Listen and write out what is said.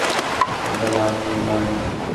তারপরে আপনি মারবেন।